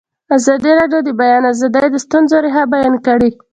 ازادي راډیو د د بیان آزادي د ستونزو رېښه بیان کړې.